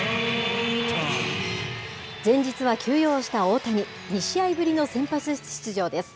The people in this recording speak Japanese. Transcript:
前日は休養した大谷、２試合ぶりの先発出場です。